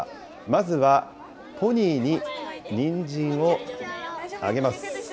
まずはポニーににんじんをあげます。